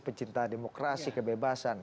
pencinta demokrasi kebebasan